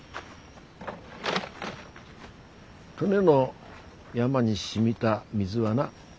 登米の山にしみた水はな